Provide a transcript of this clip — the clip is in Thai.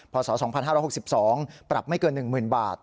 พศสองพันห้าระหกสิบสองปรับไม่เกินหนึ่งหมื่นบาท